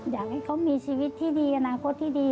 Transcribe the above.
อยากให้เขามีชีวิตที่ดีอนาคตที่ดี